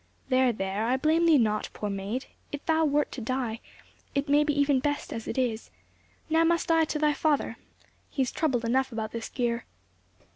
There, there, I blame thee not, poor maid; it thou wert to die, it may be even best as it is. Now must I to thy father; he is troubled enough about this gear."